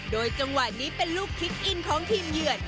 โดยจังหวะนี้เป็นลูกคิกอินของทีมเหยือด